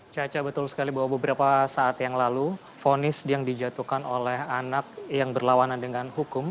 caca betul sekali bahwa beberapa saat yang lalu fonis yang dijatuhkan oleh anak yang berlawanan dengan hukum